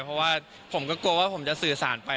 เพราะว่าผมก็กลัวว่าผมจะสื่อสารไป